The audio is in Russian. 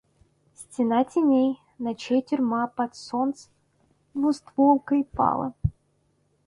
Стена теней, ночей тюрьма под солнц двустволкой пала.